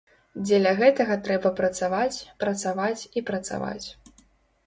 Дзеля гэтага трэба працаваць, працаваць і працаваць.